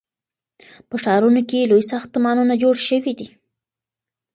په ښارونو کې لوی ساختمانونه جوړ شوي دي.